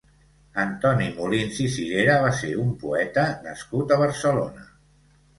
Antoni Molins i Sirera va ser un poeta nascut a Barcelona.